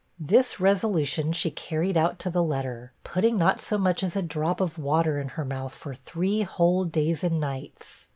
This resolution she carried out to the letter, putting not so much as a drop of water in her mouth for three whole days and nights.